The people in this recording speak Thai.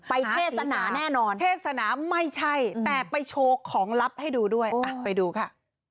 เทศนาแน่นอนเทศนาไม่ใช่แต่ไปโชว์ของลับให้ดูด้วยไปดูค่ะ